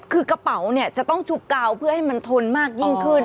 คือกระเป๋าเนี่ยจะต้องชุบกาวเพื่อให้มันทนมากยิ่งขึ้น